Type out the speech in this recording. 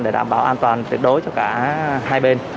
để đảm bảo an toàn tuyệt đối cho cả hai bên